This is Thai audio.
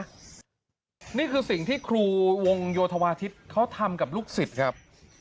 อันนี้คือสิ่งที่ครูวงโยธวาทิตย์เขาทำกับลูกสิทธิ์ครับ